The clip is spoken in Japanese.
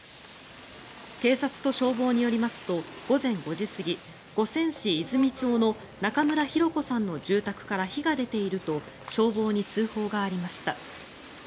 警察と消防によりますと午前５時過ぎ五泉市泉町の中村広子さんの住宅から火が出ていると消防に通報がありました。